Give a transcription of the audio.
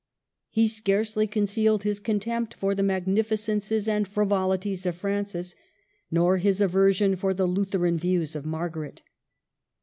He scarcely concealed his contempt for the magnificences and frivoli ties of Francis, nor his aversion for the Lutheran views of Margaret.